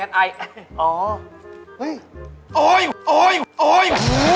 โอ๊ยโอ๊ยโอ๊ย